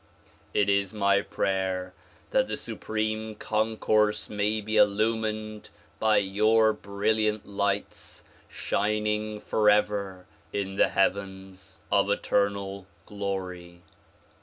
It is my prayer that the Supreme Concourse may be illumined by your brilliant lights shin ing forever in the heavens of eternal glory.